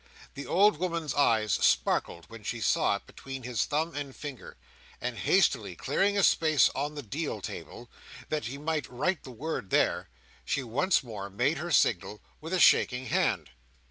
The old woman's eyes sparkled when she saw it between his thumb and finger, and hastily clearing a space on the deal table, that he might write the word there, she once more made her signal with a shaking hand.